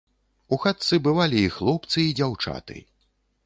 У хатцы бывалі і хлопцы і дзяўчаты.